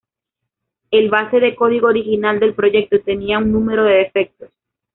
El base de código original del proyecto tenía un número de defectos.